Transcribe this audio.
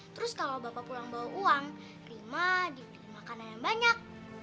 terus kalau bapak pulang bawa uang terima diberi makanan yang banyak